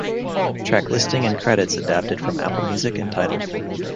Track listing and credits adapted from Apple Music and Tidal.